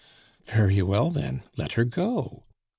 "Very well then, let her go."